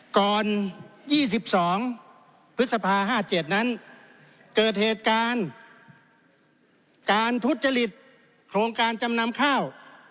ก่อน๒๒พฤษภาห้าเจ็ดนั้นเกิดเหตุการณ์การพุทธจริตโครงการจำนำข้าว